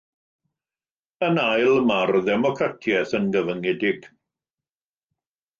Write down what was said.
Yn ail, mae'r ddemocratiaeth yn gyfyngedig.